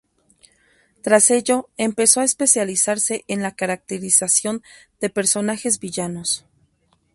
Tras ello empezó a especializarse en la caracterización de personajes villanos.